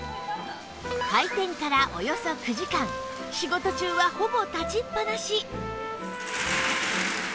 開店からおよそ９時間仕事中はほぼ立ちっぱなし